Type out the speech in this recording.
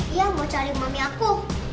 iya mau cari mumi aku